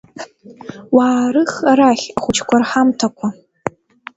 Уаарых арахь ахәыҷқәа рҳамҭақәа.